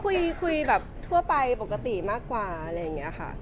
คุยแบบทั่วไปปกติมากกว่าอะไรอย่างนี้ค่ะ